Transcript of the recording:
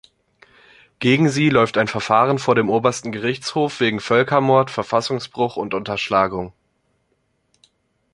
Gegen sie läuft ein Verfahren vor dem obersten Gerichtshof wegen Völkermord, Verfassungsbruch und Unterschlagung.